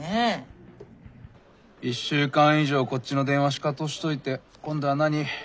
１週間以上こっちの電話シカトしといて今度は何？